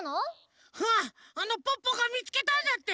うんポッポがみつけたんだって。